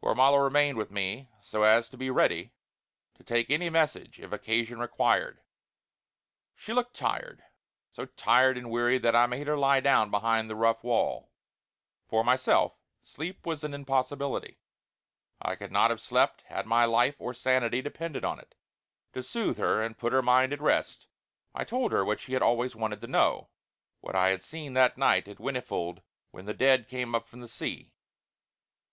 Gormala remained with me so as to be ready to take any message if occasion required. She looked tired, so tired and weary that I made her lie down behind the rough wall. For myself sleep was an impossibility; I could not have slept had my life or sanity depended on it. To soothe, her and put her mind at rest, I told her what she had always wanted to know; what I had seen that night at Whinnyfold when the Dead came up from the sea.